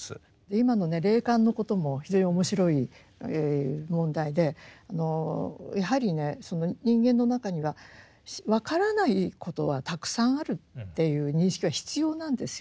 今のね霊感のことも非常に面白い問題でやはりね人間の中には分からないことはたくさんあるっていう認識は必要なんですよ。